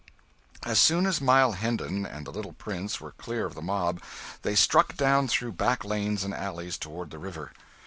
As soon as Miles Hendon and the little prince were clear of the mob, they struck down through back lanes and alleys toward the river.